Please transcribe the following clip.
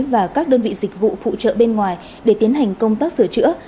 và các đơn vị dịch vụ phụ trợ bên ngoài để tiến hành công tác sửa chữa